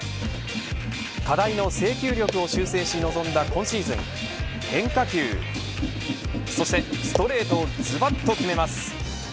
課題の制球力を修正し臨んだ今シーズン変化球そしてストレートをずばっと決めます。